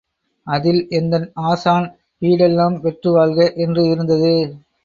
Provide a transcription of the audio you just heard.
அதில்,... எந்தன் ஆசான், பீடெல்லாம் பெற்று வாழ்க! என்று இருந்தது.